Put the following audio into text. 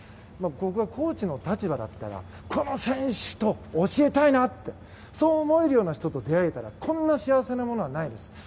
僕はコーチの立場だったらこの選手を教えたいなとそう思えるような人と出会えたらこんな幸せなことはないです。